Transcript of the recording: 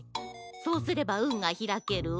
そうすればうんがひらけるわ。